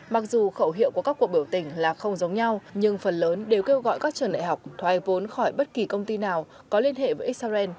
mặc dù khẩu hiệu của các cuộc biểu tình là không giống nhau nhưng phần lớn đều kêu gọi các trường đại học thoái vốn khỏi bất kỳ công ty nào có liên hệ với israel